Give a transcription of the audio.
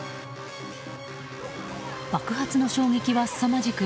爆発の衝撃はすさまじく